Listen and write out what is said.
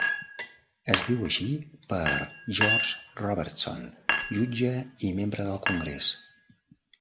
Es diu així per George Robertson, jutge i membre del Congrés.